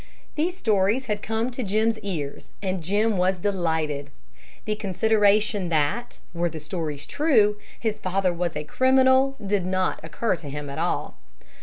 These stories had come to Jim's ears, and Jim was delighted. The consideration that, were the stories true, his father was a criminal did not occur to him at all.